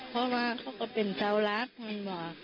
เพราะว่าเขาก็เป็นสาวรักมันบอก